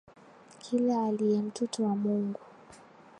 Kila aliye mtoto wa Mungu.